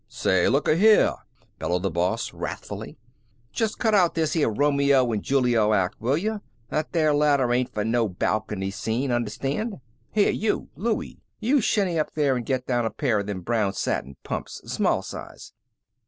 "Say looka here!" bellowed the boss, wrathfully. "Just cut out this here Romeo and Juliet act, will you! That there ladder ain't for no balcony scene, understand. Here you, Louie, you shinny up there and get down a pair of them brown satin pumps, small size."